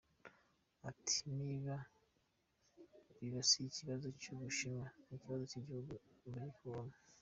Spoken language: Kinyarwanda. Ati: “Niba biba si ikibazo cy’u Bushinwa ni ikibazo cy’igihugu biri kubamo.”